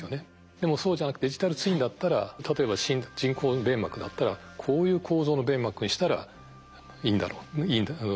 でもそうじゃなくてデジタルツインだったら例えば人工弁膜だったらこういう構造の弁膜にしたらどうなんだろうと。